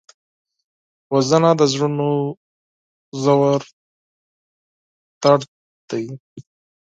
وژنه د زړونو ژور درد دی